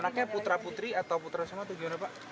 anaknya putra putri atau putra sama tujuannya pak